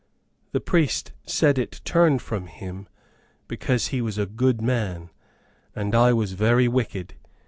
The priest said it turned from him, because he was a good man, and I was very wicked.